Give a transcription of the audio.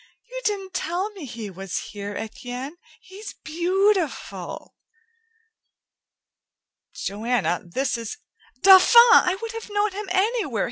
"You didn't tell me he was here, Etienne. He's beautiful!" "Joanna, this is " "Dauphin! I would have known him anywhere.